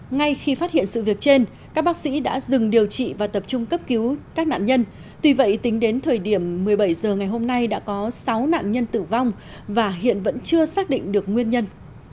ngay khi phát hiện sự việc trên các bác sĩ đã dừng điều trị và tập trung cấp cứu các nạn nhân tuy vậy tính đến thời điểm một mươi bảy h ngày hôm nay đã có sáu nạn nhân tử vong và hiện vẫn chưa xác định được nguyên nhân